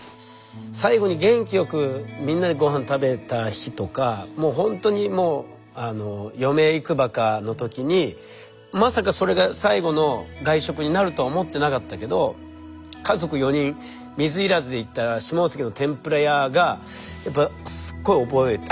最後に元気よくみんなで御飯食べた日とかもうほんとにもう余命いくばくかの時にまさかそれが最後の外食になるとは思ってなかったけど家族４人水入らずで行った下関の天ぷら屋がやっぱすっごい覚えあ